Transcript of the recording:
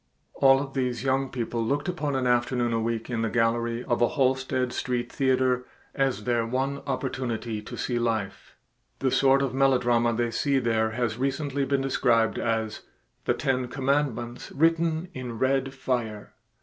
All of these young people looked upon an afternoon a week in the gallery of a Halsted Street theater as their one opportunity to see life. The sort of melodrama they see there has recently been described as "the ten commandments written in red fire."